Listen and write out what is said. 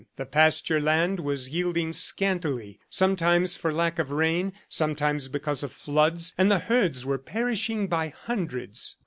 The pasture land was yielding scantily, sometimes for lack of rain, sometimes because of floods, and the herds were perishing by hundreds.